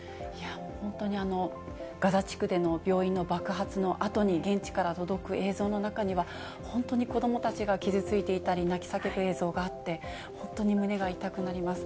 本当に、ガザ地区での病院の爆発のあとに現地から届く映像の中には、本当に子どもたちが傷ついていたり、泣き叫ぶ映像があって、本当に胸が痛くなります。